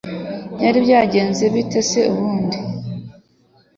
Byari byagenze bite se ubundi ?